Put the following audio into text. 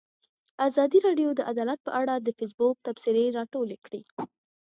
ازادي راډیو د عدالت په اړه د فیسبوک تبصرې راټولې کړي.